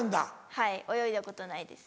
はい泳いだことないです。